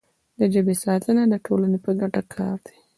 د ژبې ساتنه د ټولنې په ګټه کار دی.